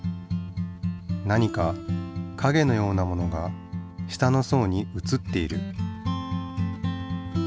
何かかげのようなものが下の層にうつっている。